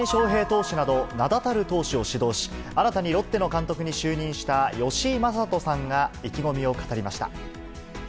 投手など、名だたる投手を指導し、新たにロッテの監督に就任した吉井理人さんが意気込みを語りまし